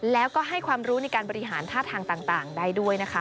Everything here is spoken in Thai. แล้วก็ให้ความรู้ในการบริหารท่าทางต่างได้ด้วยนะคะ